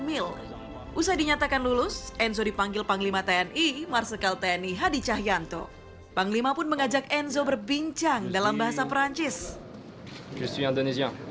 ibu saya sundani ayah saya orang perancis